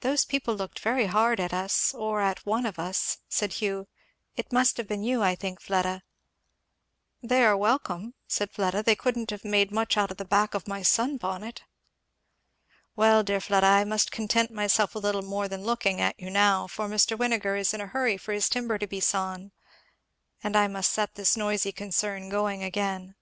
"Those people looked very hard at us, or at one of us," said Hugh. "It must have been you, I think, Fleda" "They are welcome," said Fleda; "they couldn't have made much out of the back of my sun bonnet." "Well, dear Fleda, I must content myself with little more than looking at you now, for Mr. Winegar is in a hurry for his timber to be sawn, and I must set this noisy concern a going again."